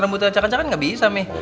rembutan cakan cakan nggak bisa meh